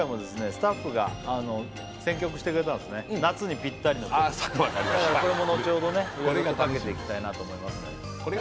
スタッフが選曲してくれたんですね夏にピッタリの曲だからこれも後ほどねいろいろとかけていきたいなと思います